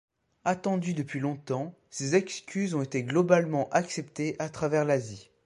Attendues depuis longtemps, ces excuses ont été globalement acceptées à travers l'Asie.